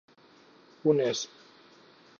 un esb